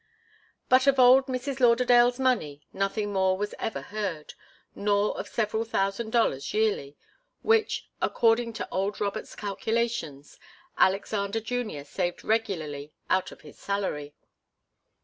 But of old Mrs. Lauderdale's money, nothing more was ever heard, nor of several thousand dollars yearly, which, according to old Robert's calculations, Alexander Junior saved regularly out of his salary.